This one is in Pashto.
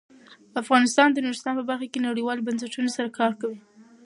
افغانستان د نورستان په برخه کې نړیوالو بنسټونو سره کار کوي.